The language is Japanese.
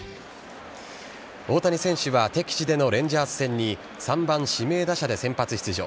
大谷選手は敵地でのレンジャーズ戦に３番・指名打者で先発出場。